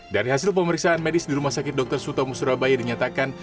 dari hasil pemeriksaan medis di rumah sakit dr sutomo surabaya dinyatakan